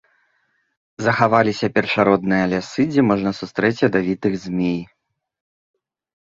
Захаваліся першародныя лясы, дзе можна сустрэць ядавітых змей.